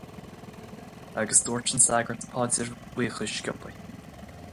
Agus dúirt an sagart paidir buíochais sciobtha.